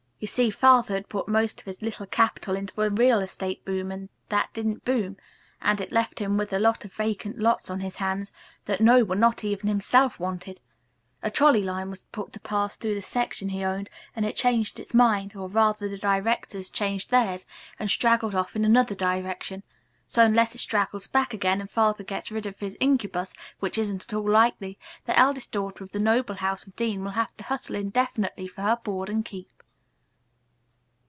You see, Father had put most of his little capital into a real estate boom that didn't boom, and it left him with a lot of vacant lots on his hands that no one, not even himself, wanted. A trolley line was to pass through the section he owned and it changed its mind, or rather the directors changed theirs, and straggled off in another direction. So, unless it straggles back again and Father gets rid of his incubus, which isn't at all likely, the eldest daughter of the noble house of Dean will have to hustle indefinitely for her board and keep.